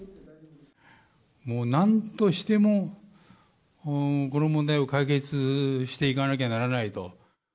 もうなんとしても、この問題を解決していかなきゃならないと。